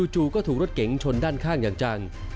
จู่ก็ถูกรถเก๋งชนด้านข้างอย่างจัง